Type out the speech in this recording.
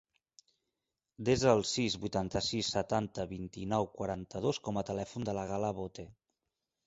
Desa el sis, vuitanta-sis, setanta, vint-i-nou, quaranta-dos com a telèfon de la Gal·la Bote.